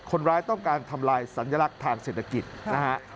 คนร้ายต้องการทำลายสัญลักษณ์ทางเศรษฐกิจนะฮะ